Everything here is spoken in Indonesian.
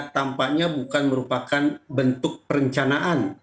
tampaknya bukan merupakan bentuk perencanaan